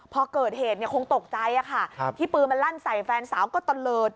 พอเกิดเหตุเนี่ยคงตกใจค่ะที่ปืนมันลั่นใส่แฟนสาวก็ตะเลิศ